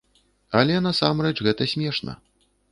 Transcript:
Але насамрэч гэта смешна.